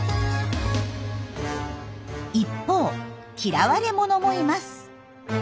一方嫌われ者もいます。